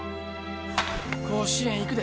甲子園、行くで。